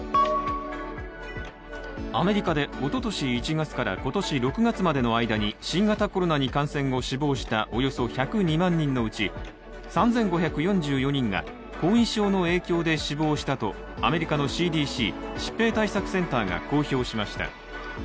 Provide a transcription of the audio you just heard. アメリカでおととし１月から今年６月までの間に新型コロナに感染後死亡したおよそ１０２万人のうち３５４４人が後遺症の影響で死亡したとアメリカのＣＤＣ＝疾病対策センターが公表しました。